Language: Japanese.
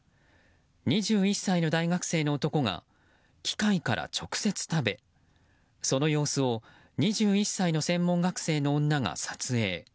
２１歳の大学生の男が機械から直接食べその様子を２１歳の専門学生の女が撮影。